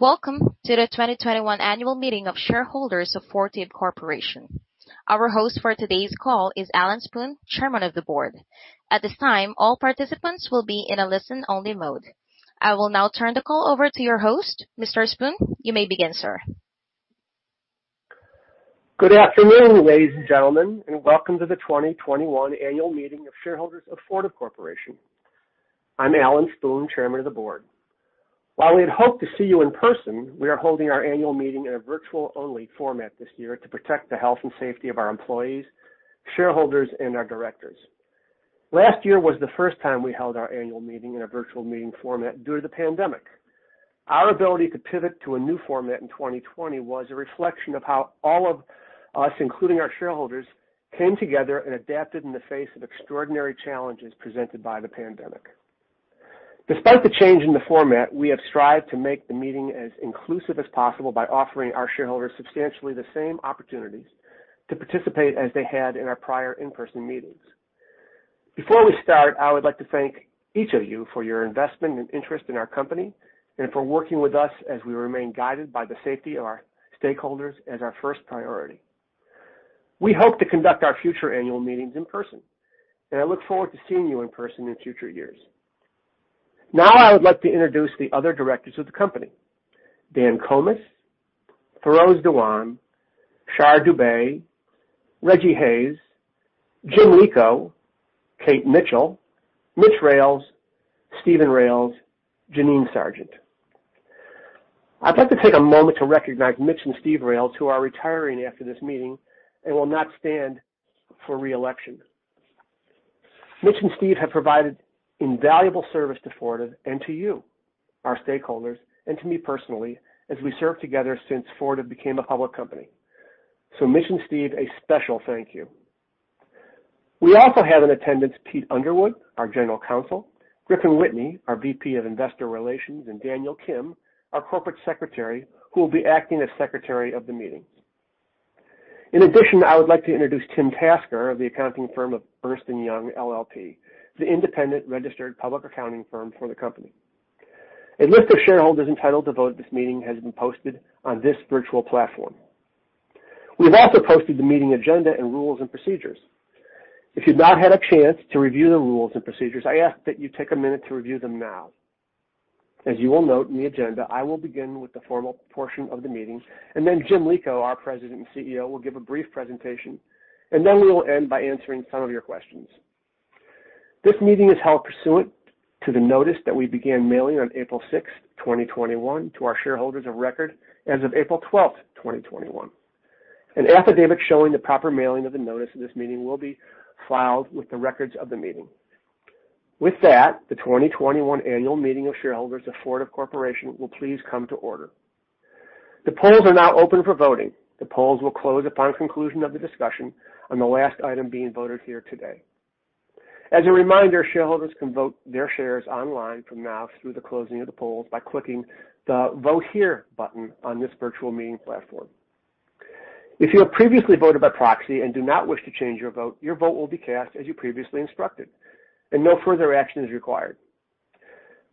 Welcome to the 2021 Annual Meeting of Shareholders of Fortive Corporation. Our host for today's call is Alan Spoon, Chairman of the Board. At this time, all participants will be in a listen-only mode. I will now turn the call over to your host, Mr. Spoon. You may begin, sir. Good afternoon, ladies and gentlemen, and welcome to the 2021 Annual Meeting of Shareholders of Fortive Corporation. I'm Alan Spoon, Chairman of the Board. While we had hoped to see you in person, we are holding our annual meeting in a virtual-only format this year to protect the health and safety of our employees, shareholders, and our directors. Last year was the first time we held our annual meeting in a virtual meeting format due to the pandemic. Our ability to pivot to a new format in 2020 was a reflection of how all of us, including our shareholders, came together and adapted in the face of extraordinary challenges presented by the pandemic. Despite the change in the format, we have strived to make the meeting as inclusive as possible by offering our shareholders substantially the same opportunities to participate as they had in our prior in-person meetings. Before we start, I would like to thank each of you for your investment and interest in our company and for working with us as we remain guided by the safety of our stakeholders as our first priority. We hope to conduct our future annual meetings in person, and I look forward to seeing you in person in future years. Now, I would like to introduce the other directors of the company: Dan Comas, Feroz Dewan, Sharmistha Dubey, Rejji Hayes, Jim Lico, Kate Mitchell, Mitch Rales, Steven Rales, and Jeannine Sargent. I'd like to take a moment to recognize Mitch and Steve Rales, who are retiring after this meeting and will not stand for reelection. Mitch and Steve have provided invaluable service to Fortive and to you, our stakeholders, and to me personally as we served together since Fortive became a public company. Mitch and Steve, a special thank you. We also have in attendance Pete Underwood, our General Counsel, Griffin Whitney, our VP of Investor Relations, and Daniel Kim, our Corporate Secretary, who will be acting as secretary of the meeting. In addition, I would like to introduce Tim Tasker of the accounting firm of Ernst & Young LLP, the independent registered public accounting firm for the company. A list of shareholders entitled to vote at this meeting has been posted on this virtual platform. We have also posted the meeting agenda and rules and procedures. If you've not had a chance to review the rules and procedures, I ask that you take a minute to review them now. As you will note in the agenda, I will begin with the formal portion of the meeting, and then Jim Lico, our President and CEO, will give a brief presentation, and then we will end by answering some of your questions. This meeting is held pursuant to the notice that we began mailing on April 6th, 2021, to our shareholders of record as of April 12th, 2021. An affidavit showing the proper mailing of the notice of this meeting will be filed with the records of the meeting. With that, the 2021 Annual Meeting of Shareholders of Fortive Corporation will please come to order. The polls are now open for voting. The polls will close upon conclusion of the discussion, on the last item being voted here today. As a reminder, shareholders can vote their shares online from now through the closing of the polls by clicking the "Vote Here" button on this virtual meeting platform. If you have previously voted by proxy and do not wish to change your vote, your vote will be cast as you previously instructed, and no further action is required.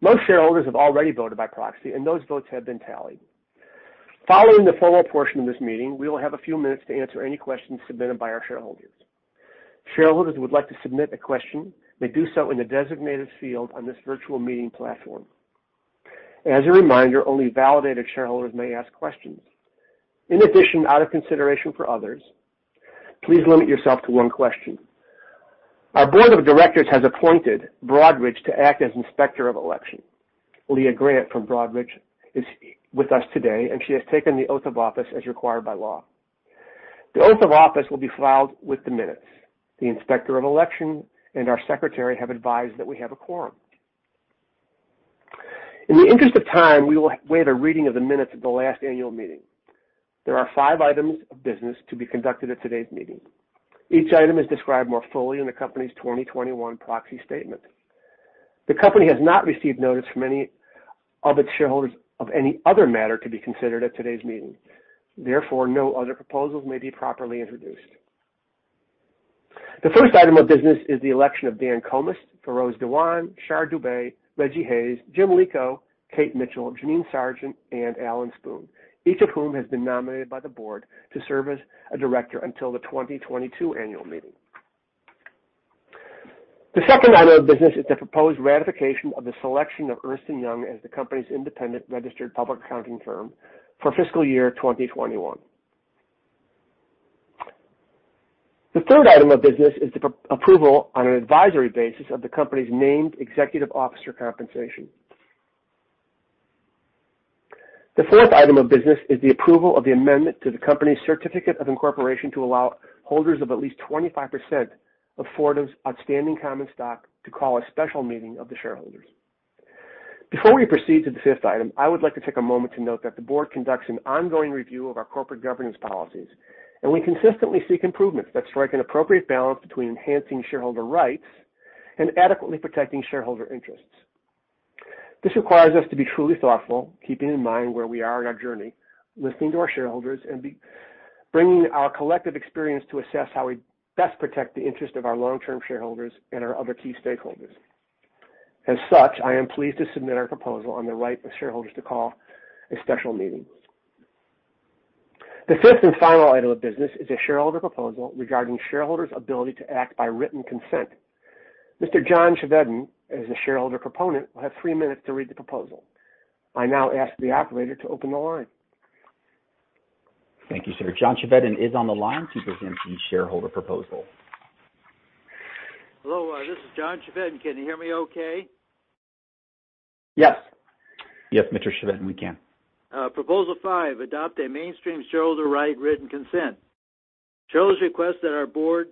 Most shareholders have already voted by proxy, and those votes have been tallied. Following the formal portion of this meeting, we will have a few minutes to answer any questions submitted by our shareholders. Shareholders would like to submit a question. They do so in the designated field on this virtual meeting platform. As a reminder, only validated shareholders may ask questions. In addition, out of consideration for others, please limit yourself to one question. Our board of directors has appointed Broadridge to act as inspector of election. Leah Grant from Broadridge is with us today, and she has taken the oath of office as required by law. The oath of office will be filed with the minutes. The inspector of election and our secretary have advised that we have a quorum. In the interest of time, we will waive a reading of the minutes of the last annual meeting. There are five items of business to be conducted at today's meeting. Each item is described more fully in the company's 2021 proxy statement. The company has not received notice from any of its shareholders of any other matter to be considered at today's meeting. Therefore, no other proposals may be properly introduced. The first item of business is the election of Dan Comas, Feroz Dewan, Sharmistha Dubey, Rejji Hayes, Jim Lico, Kate Mitchell, Jeannine Sargent, and Alan Spoon, each of whom has been nominated by the board to serve as a director until the 2022 Annual Meeting. The second item of business is the proposed ratification of the selection of Ernst & Young as the company's independent registered public accounting firm for fiscal year 2021. The third item of business is the approval on an advisory basis of the company's named executive officer compensation. The fourth item of business is the approval of the amendment to the company's certificate of incorporation to allow holders of at least 25% of Fortive's outstanding common stock to call a special meeting of the shareholders. Before we proceed to the fifth item, I would like to take a moment to note that the Board conducts an ongoing review of our corporate governance policies, and we consistently seek improvements that strike an appropriate balance between enhancing shareholder rights and adequately protecting shareholder interests. This requires us to be truly thoughtful, keeping in mind where we are in our journey, listening to our shareholders, and bringing our collective experience to assess how we best protect the interests of our long-term shareholders and our other key stakeholders. As such, I am pleased to submit our proposal on the right of shareholders to call a special meeting. The fifth and final item of business is a shareholder proposal regarding shareholders' ability to act by written consent. Mr. John Chevedden, as the shareholder proponent, will have three minutes to read the proposal. I now ask the operator to open the line. Thank you, sir. John Chevedden is on the line to present the shareholder proposal. Hello, this is John Chevedden. Can you hear me okay? Yes. Yes, Mr. Chevedden, we can. Proposal five, adopt a mainstream shareholder right, written consent. Shareholders request that our board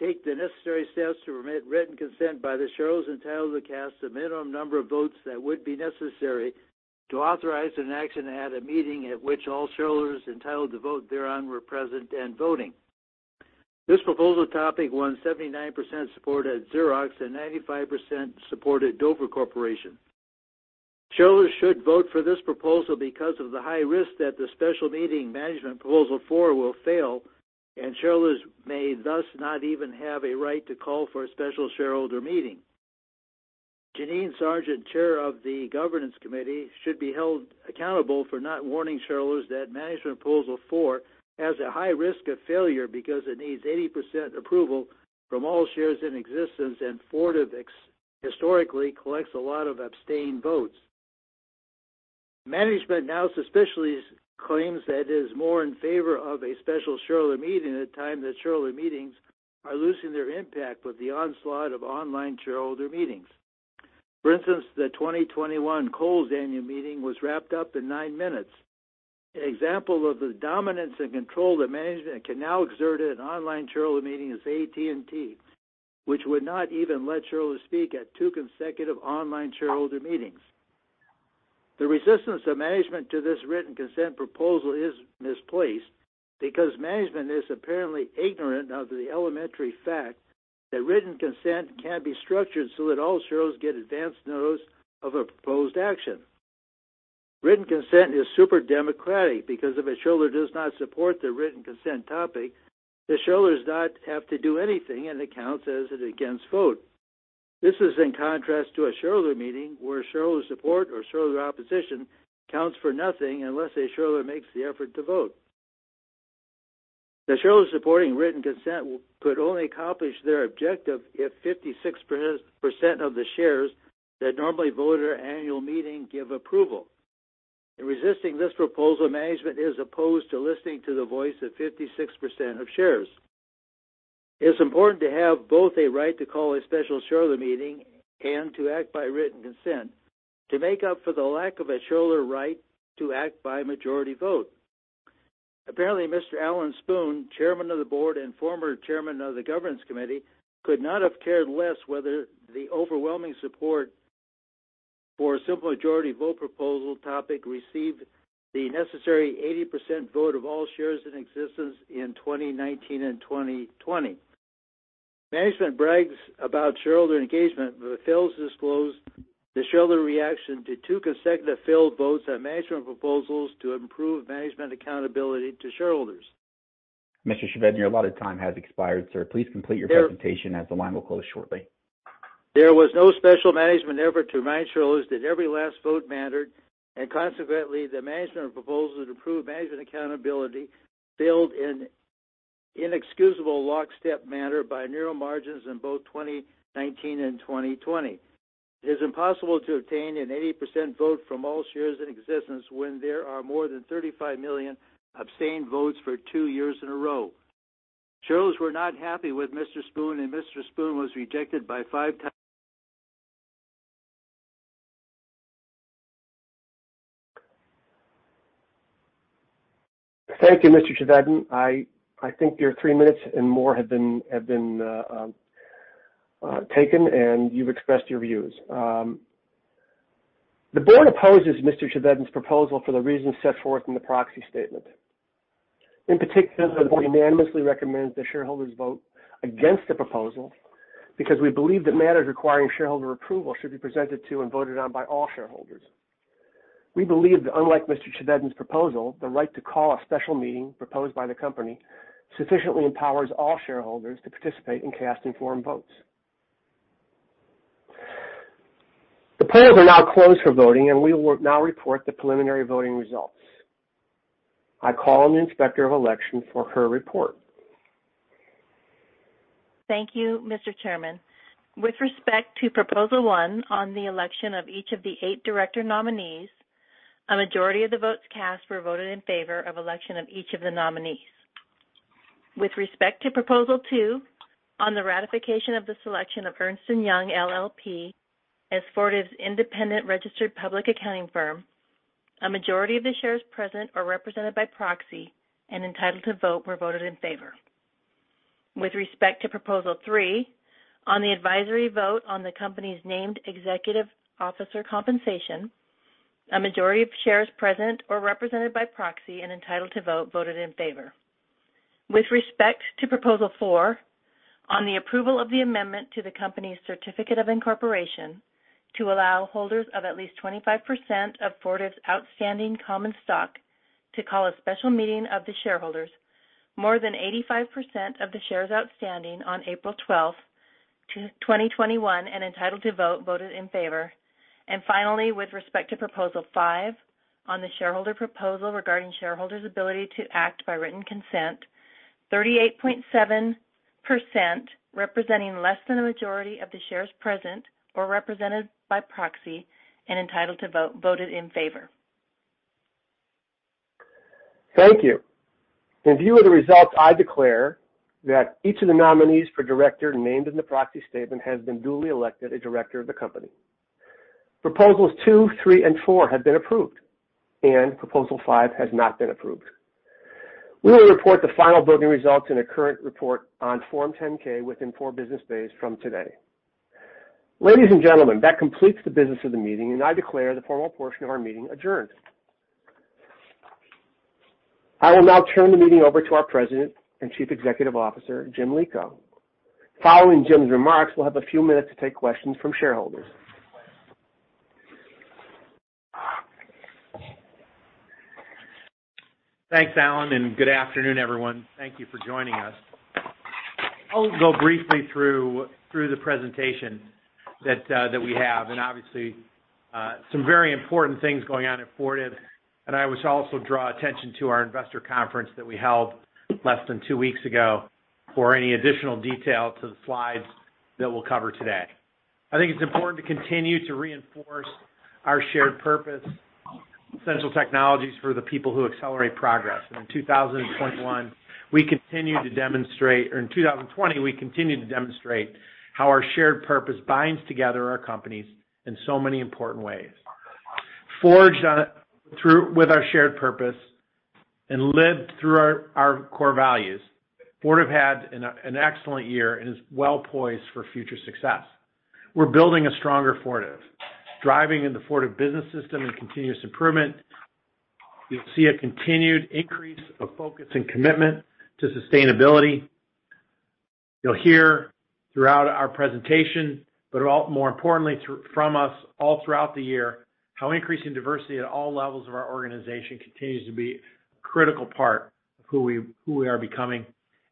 take the necessary steps to permit written consent by the shareholders entitled to cast the minimum number of votes that would be necessary to authorize an action at a meeting at which all shareholders entitled to vote thereon were present and voting. This proposal topic won 79% support at Xerox and 95% support at Dover Corporation. Shareholders should vote for this proposal because of the high risk that the special meeting management proposal four will fail, and shareholders may thus not even have a right to call for a special shareholder meeting. Jeannine Sargent, Chair of the Governance Committee, should be held accountable for not warning shareholders that management proposal four has a high risk of failure because it needs 80% approval from all shares in existence, and Fortive historically collects a lot of abstentions. Management now suspiciously claims that it is more in favor of a special shareholder meeting at a time that shareholder meetings are losing their impact with the onslaught of online shareholder meetings. For instance, the 2021 Kohl's Annual Meeting was wrapped up in nine minutes. An example of the dominance and control that management can now exert at an online shareholder meeting is AT&T, which would not even let shareholders speak at two consecutive online shareholder meetings. The resistance of management to this written consent proposal is misplaced because management is apparently ignorant of the elementary fact that written consent can be structured so that all shareholders get advance notice of a proposed action. Written consent is super democratic because if a shareholder does not support the written consent topic, the shareholders do not have to do anything and counts as an against vote. This is in contrast to a shareholder meeting where shareholder support or shareholder opposition counts for nothing unless a shareholder makes the effort to vote. The shareholders supporting written consent could only accomplish their objective if 56% of the shares that normally vote at our annual meeting give approval. In resisting this proposal, management is opposed to listening to the voice of 56% of shares. It's important to have both a right to call a special shareholder meeting and to act by written consent to make up for the lack of a shareholder right to act by majority vote. Apparently, Mr. Alan Spoon, Chairman of the Board and former Chairman of the Governance Committee, could not have cared less whether the overwhelming support for a simple majority vote proposal topic received the necessary 80% vote of all shares in existence in 2019 and 2020. Management brags about shareholder engagement, but fails to disclose the shareholder reaction to two consecutive failed votes on management proposals to improve management accountability to shareholders. Mr. Chevedden, your allotted time has expired, sir. Please complete your presentation as the line will close shortly. There was no special management effort to remind shareholders that every last vote mattered, and consequently, the management proposal to improve management accountability failed in inexcusable lockstep manner by narrow margins in both 2019 and 2020. It is impossible to obtain an 80% vote from all shares in existence when there are more than 35 million abstained votes for two years in a row. Shareholders were not happy with Mr. Spoon, and Mr. Spoon was rejected by five times. Thank you, Mr. Chevedden. I think your three minutes and more have been taken, and you've expressed your views. The board opposes Mr. Chevedden's proposal for the reasons set forth in the proxy statement. In particular, the board unanimously recommends that shareholders vote against the proposal because we believe that matters requiring shareholder approval should be presented to and voted on by all shareholders. We believe that, unlike Mr. Chevedden's proposal, the right to call a special meeting proposed by the company sufficiently empowers all shareholders to participate in casting formal votes. The polls are now closed for voting, and we will now report the preliminary voting results. I call on the inspector of election for her report. Thank you, Mr. Chairman. With respect to proposal one on the election of each of the eight director nominees, a majority of the votes cast were voted in favor of the election of each of the nominees. With respect to proposal two on the ratification of the selection of Ernst & Young LLP as Fortive's independent registered public accounting firm, a majority of the shares present or represented by proxy and entitled to vote were voted in favor. With respect to proposal three on the advisory vote on the company's named executive officer compensation, a majority of shares present or represented by proxy and entitled to vote voted in favor. With respect to proposal four on the approval of the amendment to the company's certificate of incorporation to allow holders of at least 25% of Fortive's outstanding common stock to call a special meeting of the shareholders, more than 85% of the shares outstanding on April 12th, 2021, and entitled to vote voted in favor, and finally, with respect to proposal five on the shareholder proposal regarding shareholders' ability to act by written consent, 38.7% representing less than a majority of the shares present or represented by proxy and entitled to vote voted in favor. Thank you. In view of the results, I declare that each of the nominees for director named in the proxy statement has been duly elected a director of the company. Proposals two, three, and four have been approved, and proposal five has not been approved. We will report the final voting results in a current report on Form 10-K within four business days from today. Ladies and gentlemen, that completes the business of the meeting, and I declare the formal portion of our meeting adjourned. I will now turn the meeting over to our President and Chief Executive Officer, Jim Lico. Following Jim's remarks, we'll have a few minutes to take questions from shareholders. Thanks, Alan, and good afternoon, everyone. Thank you for joining us. I'll go briefly through the presentation that we have, and obviously, some very important things going on at Fortive, and I would also draw attention to our investor conference that we held less than two weeks ago for any additional detail to the slides that we'll cover today. I think it's important to continue to reinforce our shared purpose: essential technologies for the people who accelerate progress. In 2021, we continued to demonstrate, or in 2020, we continued to demonstrate how our shared purpose binds together our companies in so many important ways. Forged with our shared purpose and lived through our core values, Fortive had an excellent year and is well poised for future success. We're building a stronger Fortive, driving in the Fortive Business System and continuous improvement. You'll see a continued increase of focus and commitment to sustainability. You'll hear throughout our presentation, but more importantly, from us all throughout the year, how increasing diversity at all levels of our organization continues to be a critical part of who we are becoming,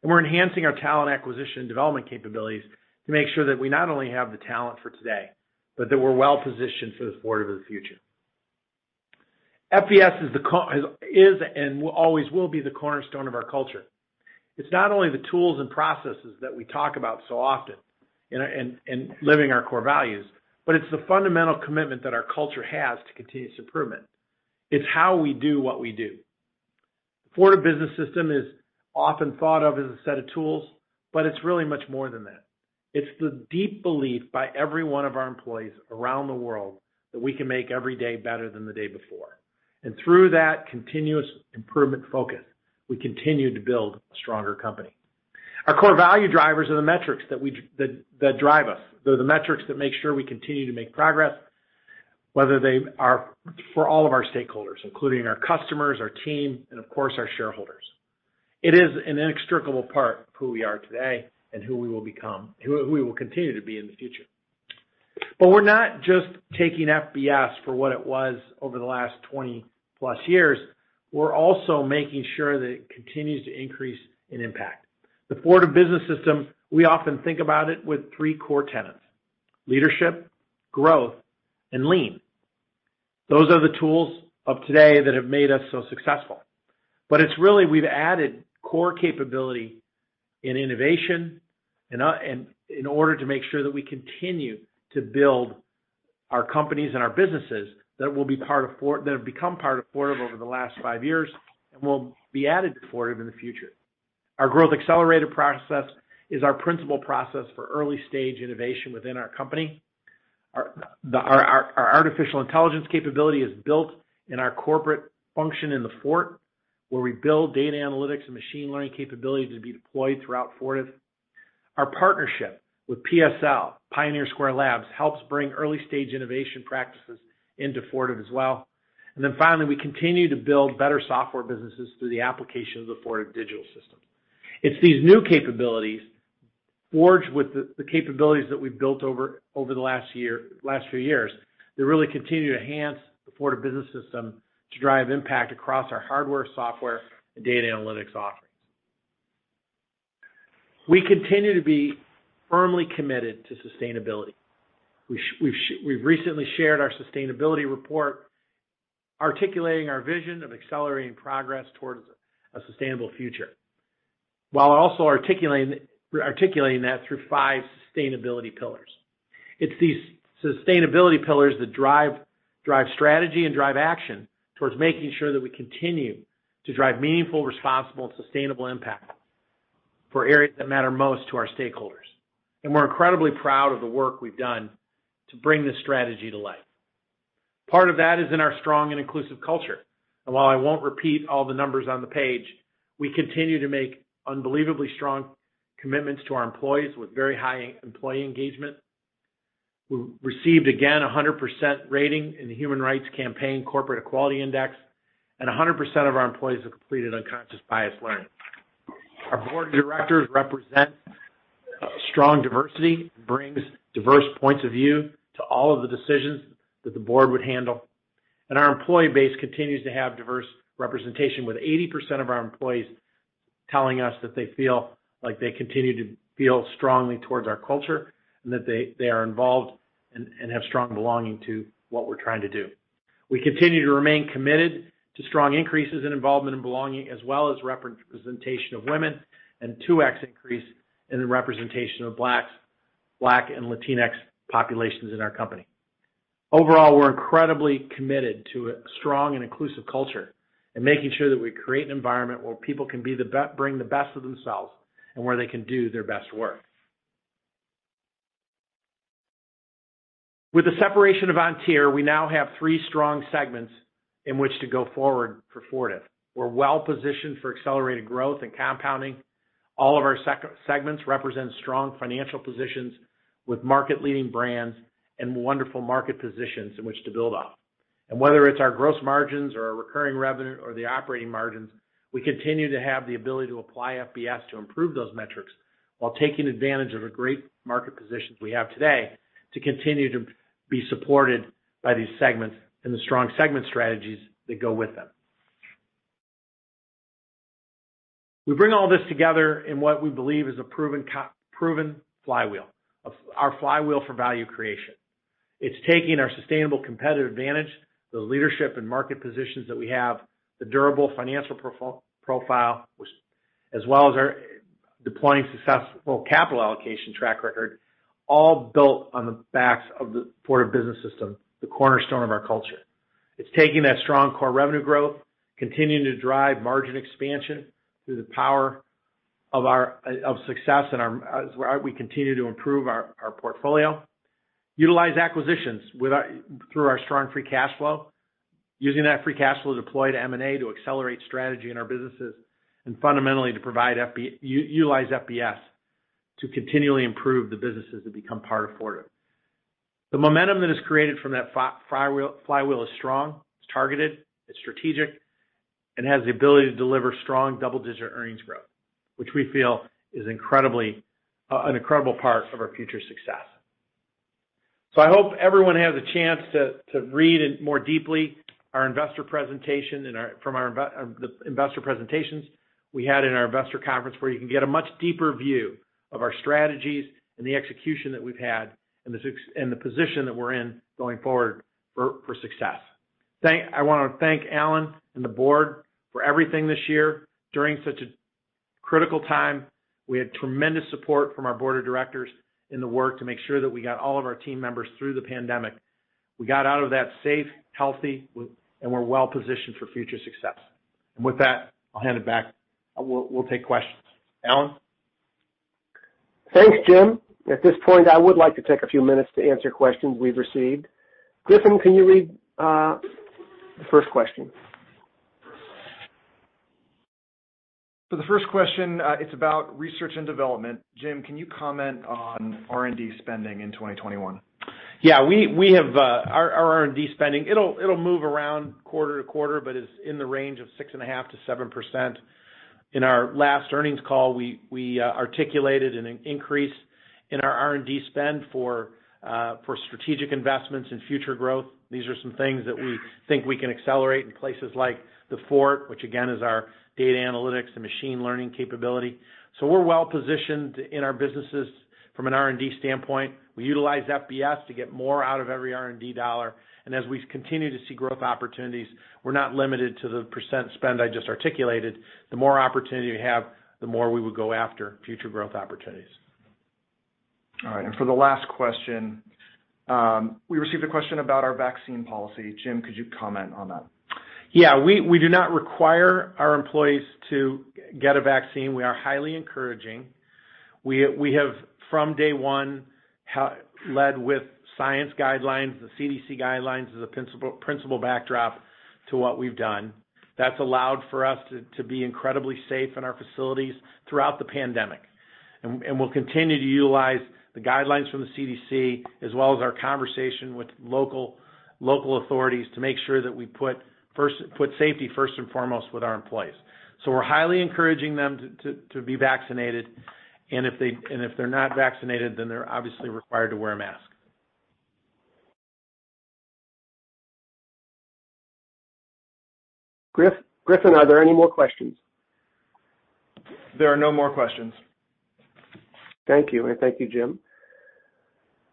and we're enhancing our talent acquisition and development capabilities to make sure that we not only have the talent for today, but that we're well positioned for the Fortive of the future. FBS is and always will be the cornerstone of our culture. It's not only the tools and processes that we talk about so often in living our core values, but it's the fundamental commitment that our culture has to continuous improvement. It's how we do what we do. The Fortive Business System is often thought of as a set of tools, but it's really much more than that. It's the deep belief by every one of our employees around the world that we can make every day better than the day before. Through that continuous improvement focus, we continue to build a stronger company. Our core value drivers are the metrics that drive us. They're the metrics that make sure we continue to make progress, whether they are for all of our stakeholders, including our customers, our team, and of course, our shareholders. It is an inextricable part of who we are today and who we will become, who we will continue to be in the future. We're not just taking FBS for what it was over the last 20+ years. We're also making sure that it continues to increase in impact. The Fortive Business System, we often think about it with three core tenets: leadership, growth, and lean. Those are the tools of today that have made us so successful. But it's really we've added core capability in innovation in order to make sure that we continue to build our companies and our businesses that will be part of that have become part of Fortive over the last five years and will be added to Fortive in the future. Our Growth Accelerator process is our principal process for early-stage innovation within our company. Our artificial intelligence capability is built in our corporate function in The Fort, where we build data analytics and machine learning capability to be deployed throughout Fortive. Our partnership with PSL, Pioneer Square Labs, helps bring early-stage innovation practices into Fortive as well. And then finally, we continue to build better software businesses through the application of the Fortive digital systems. It's these new capabilities, forged with the capabilities that we've built over the last few years, that really continue to enhance the Fortive Business System to drive impact across our hardware, software, and data analytics offerings. We continue to be firmly committed to sustainability. We've recently shared our sustainability report, articulating our vision of accelerating progress towards a sustainable future, while also articulating that through five sustainability pillars. It's these sustainability pillars that drive strategy and drive action towards making sure that we continue to drive meaningful, responsible, and sustainable impact for areas that matter most to our stakeholders. And we're incredibly proud of the work we've done to bring this strategy to life. Part of that is in our strong and inclusive culture. And while I won't repeat all the numbers on the page, we continue to make unbelievably strong commitments to our employees with very high employee engagement. We received, again, a 100% rating in the Human Rights Campaign Corporate Equality Index, and 100% of our employees have completed unconscious bias learning. Our board of directors represents strong diversity, brings diverse points of view to all of the decisions that the board would handle, and our employee base continues to have diverse representation, with 80% of our employees telling us that they feel like they continue to feel strongly towards our culture and that they are involved and have strong belonging to what we're trying to do. We continue to remain committed to strong increases in involvement and belonging, as well as representation of women and 2X increase in the representation of Black and Latinx populations in our company. Overall, we're incredibly committed to a strong and inclusive culture and making sure that we create an environment where people can bring the best of themselves and where they can do their best work. With the separation of Vontier, we now have three strong segments in which to go forward for Fortive. We're well positioned for accelerated growth and compounding. All of our segments represent strong financial positions with market-leading brands and wonderful market positions in which to build off. And whether it's our gross margins or our recurring revenue or the operating margins, we continue to have the ability to apply FBS to improve those metrics while taking advantage of the great market positions we have today to continue to be supported by these segments and the strong segment strategies that go with them. We bring all this together in what we believe is a proven flywheel, our flywheel for value creation. It's taking our sustainable competitive advantage, the leadership and market positions that we have, the durable financial profile, as well as our deploying successful capital allocation track record, all built on the backs of the Fortive Business System, the cornerstone of our culture. It's taking that strong core revenue growth, continuing to drive margin expansion through the power of success and as we continue to improve our portfolio, utilize acquisitions through our strong free cash flow, using that free cash flow to deploy to M&A to accelerate strategy in our businesses, and fundamentally to utilize FBS to continually improve the businesses that become part of Fortive. The momentum that is created from that flywheel is strong. It's targeted. It's strategic. It has the ability to deliver strong double-digit earnings growth, which we feel is an incredible part of our future success. So I hope everyone has a chance to read more deeply our investor presentation from the investor presentations we had in our investor conference, where you can get a much deeper view of our strategies and the execution that we've had and the position that we're in going forward for success. I want to thank Alan and the board for everything this year during such a critical time. We had tremendous support from our board of directors in the work to make sure that we got all of our team members through the pandemic. We got out of that safe, healthy, and we're well positioned for future success. And with that, I'll hand it back. We'll take questions. Alan? Thanks, Jim. At this point, I would like to take a few minutes to answer questions we've received. Griffin, can you read the first question? For the first question, it's about research and development. Jim, can you comment on R&D spending in 2021? Yeah. Our R&D spending, it'll move around quarter to quarter, but it's in the range of 6.5%-7%. In our last earnings call, we articulated an increase in our R&D spend for strategic investments and future growth. These are some things that we think we can accelerate in places like The Fort, which again is our data analytics and machine learning capability. So we're well positioned in our businesses from an R&D standpoint. We utilize FBS to get more out of every R&D dollar. And as we continue to see growth opportunities, we're not limited to the percent spend I just articulated. The more opportunity we have, the more we would go after future growth opportunities. All right. And for the last question, we received a question about our vaccine policy. Jim, could you comment on that? Yeah. We do not require our employees to get a vaccine. We are highly encouraging. We have, from day one, led with science guidelines, the CDC guidelines as a principal backdrop to what we've done. That's allowed for us to be incredibly safe in our facilities throughout the pandemic, and we'll continue to utilize the guidelines from the CDC, as well as our conversation with local authorities, to make sure that we put safety first and foremost with our employees, so we're highly encouraging them to be vaccinated, and if they're not vaccinated, then they're obviously required to wear a mask. Griffin, are there any more questions? There are no more questions. Thank you, and thank you, Jim.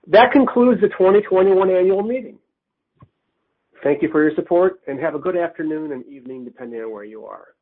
That concludes the 2021 annual meeting. Thank you for your support, and have a good afternoon and evening, depending on where you are. Good.